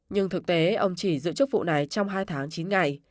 nhưng thực tế ông chỉ giữ chức vụ này trong hai tháng chín ngày